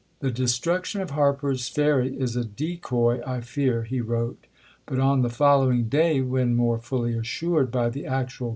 "The destruction of Harper's to Mcciei Ferry is a decoy, I fear," he wrote ; but on the fol w^k.^%'o\. lowing day, when more fully assured by the actual II.